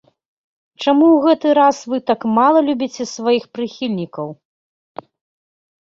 Чаму ў гэты раз вы так мала любіце сваіх прыхільнікаў?